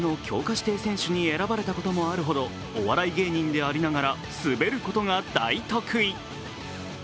指定選手に選ばれたことがあるほどお笑い芸人でありながら、滑ることが大得意。